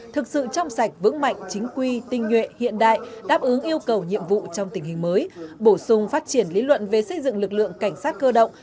thực sự trong sạch vững mạnh chính quy tinh nhuệ hiện đại đáp ứng yêu cầu nhiệm vụ trong tình hình mới bổ sung phát triển lý luận về xây dựng lực lượng cảnh sát cơ động